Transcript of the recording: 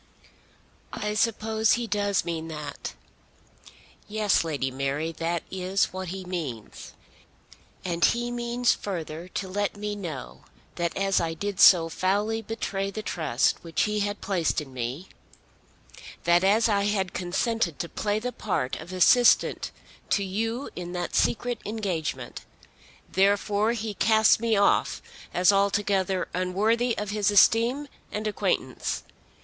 "I suppose he does mean that." "Yes, Lady Mary; that is what he means. And he means further to let me know that as I did so foully betray the trust which he had placed in me, that as I had consented to play the part of assistant to you in that secret engagement, therefore he casts me off as altogether unworthy of his esteem and acquaintance.